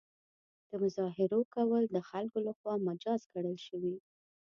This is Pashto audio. د مظاهرو کول د خلکو له خوا مجاز ګڼل شوي.